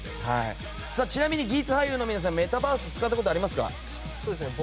ちなみに「ギーツ」俳優の皆さんメタバースを使ったことありますか？